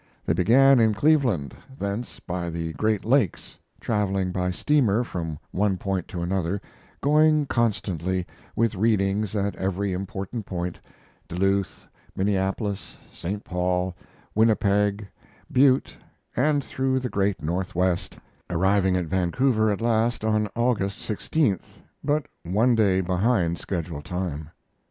They began in Cleveland, thence by the Great Lakes, traveling by steamer from one point to another, going constantly, with readings at every important point Duluth, Minneapolis, St. Paul, Winnipeg, Butte, and through the great Northwest, arriving at Vancouver at last on August 16th, but one day behind schedule time.